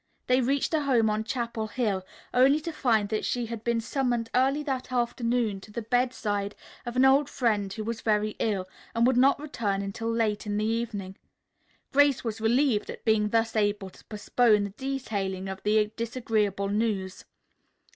They reached her home on Chapel Hill only to find that she had been summoned early that afternoon to the bedside of an old friend who was very ill, and would not return until late in the evening. Grace was relieved at being thus able to postpone the detailing of the disagreeable news.